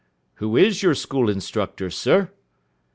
"Who is your school instructor, sir?"